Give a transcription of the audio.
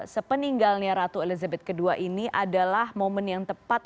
sepeninggalnya ratu elizabeth ii ini adalah momen yang tepat